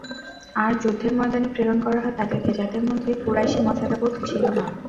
আর যুদ্ধের ময়দানে প্রেরণ করা হয় তাদেরকে, যাদের মধ্যে কুরাইশী মর্যাদাবোধ ছিল না।